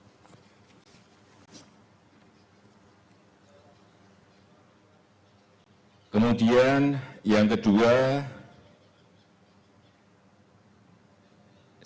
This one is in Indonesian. saya ingin mengucapkan terima kasih kepada bapak wakil presiden